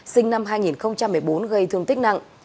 sinh năm hai nghìn một mươi bốn gây thương tích nặng